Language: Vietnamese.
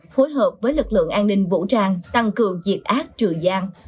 phối hợp với lực lượng an ninh vũ trang tăng cường dịp ác trừ gian